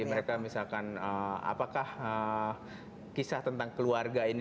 mereka misalkan apakah kisah tentang keluarga ini